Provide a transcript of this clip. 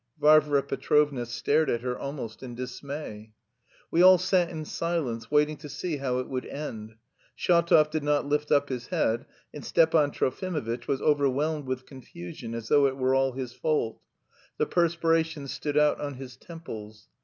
Varvara Petrovna stared at her almost in dismay. We all sat in silence, waiting to see how it would end. Shatov did not lift up his head, and Stepan Trofimovitch was overwhelmed with confusion as though it were all his fault; the perspiration stood out on his temples.